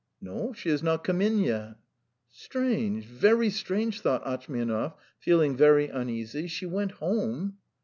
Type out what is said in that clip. "No, she has not come in yet." "Strange ... very strange," thought Atchmianov, feeling very uneasy. "She went home.